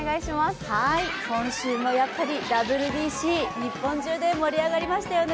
今週もやっぱりＷＢＣ、日本中で盛り上がりましたよね。